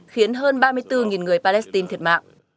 khiến hơn ba mươi bốn người palestine thiệt mạng